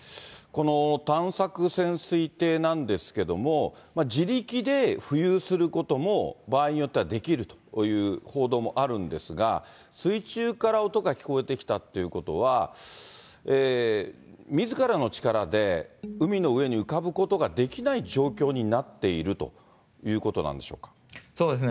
この探索潜水艇なんですけども、自力で浮遊することも、場合によってはできるという報道もあるんですが、水中から音が聞こえてきたということは、みずからの力で海の上に浮かぶことができない状況になっているとそうですね。